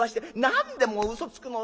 何でもう嘘つくの？